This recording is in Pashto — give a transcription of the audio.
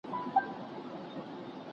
د نجونو ښوونه د ټولنې همغږي پراخوي.